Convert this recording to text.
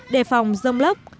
đề phòng rông lấp